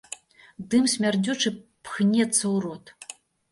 Дым смярдзючы пхнецца ў рот.